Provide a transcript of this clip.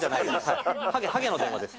ハゲの電話です。